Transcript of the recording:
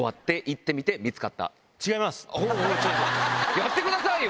やってくださいよ